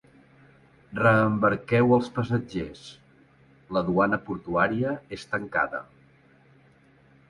Reembarqueu els passatgers: la duana portuària és tancada.